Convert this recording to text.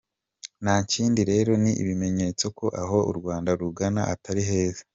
Ntakindi rero ni ibimenyetso ko aho u Rwanda rugana atari heza.